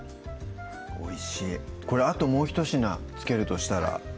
おいしいこれあともうひと品付けるとしたら？